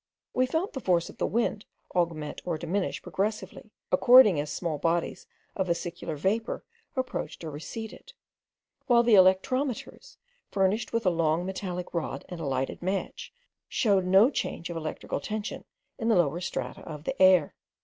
We felt the force of the wind augment or diminish progressively, according as small bodies of vesicular vapour approached or receded, while the electrometers, furnished with a long metallic rod and lighted match, showed no change of electric tension in the lower strata of the air.